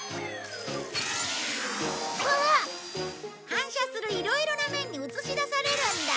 反射するいろいろな面に映し出されるんだ。